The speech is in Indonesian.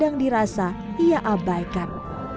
kadang dirasa ia abaikan